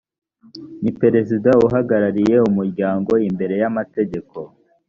ni perezida uhagarariye umuryango imbere y’amategeko